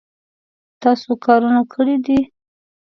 تاسو کارونه کړي دي